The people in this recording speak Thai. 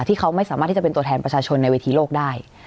ที่เขาไม่สามารถที่จะเป็นตัวแทนประชาชนในเวทีโลกได้